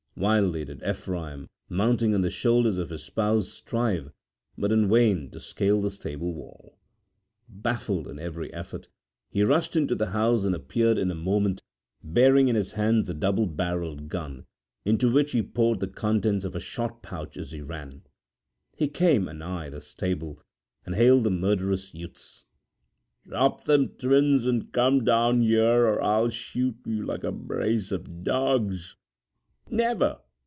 Wildly did Ephraim, mounting on the shoulders of his spouse, strive, but in vain, to scale the stable wall. Baffled in every effort, he rushed into the house and appeared in a moment bearing in his hands a double barrelled gun, into which he poured the contents of a shot pouch as he ran. He came anigh the stable and hailed the murderous youths: 'Drop them twins and come down here or I'll shoot you like a brace of dogs.' 'Never!'